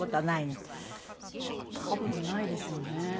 多分ないでしょうね。